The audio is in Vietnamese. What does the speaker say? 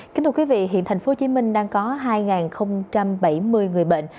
kính thưa quý vị hiện tp hcm đang có hai bảy mươi người bệnh